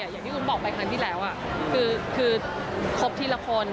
อย่างที่วุ้นบอกไปครั้งที่แล้วคือครบทีละคน